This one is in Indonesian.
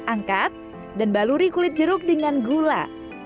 angkat dan baluri kulit jeruk dengan gula